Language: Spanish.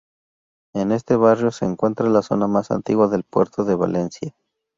En este barrio se encuentra la zona más antigua del Puerto de Valencia.